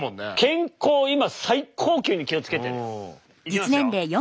健康今最高級に気を付けてるよ。いきますよ。